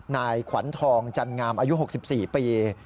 นายขวัญทองจันงามอายุ๖๔ปี